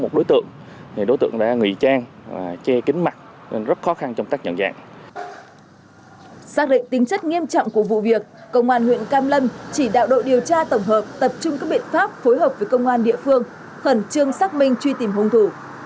xác định tính chất nghiêm trọng của vụ việc công an huyện cam lâm chỉ đạo đội điều tra tổng hợp tập trung các biện pháp phối hợp với công an địa phương khẩn trương xác minh truy tìm hung thủ